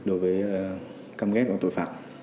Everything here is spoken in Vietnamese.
đối với cam ghét của tội phạm